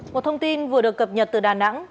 một thông tin vừa được cập nhật từ đà nẵng